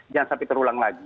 jangan sampai terulang lagi